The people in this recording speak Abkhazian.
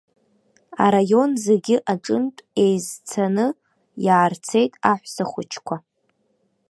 Араион зегьы аҿынтә еизцаны иаарцеит аҳәсахәыҷқәа.